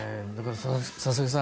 佐々木さん